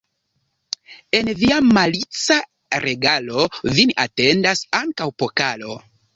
En via malica regalo vin atendas ankaŭ pokalo.